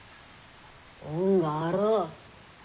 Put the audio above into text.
恩があろう。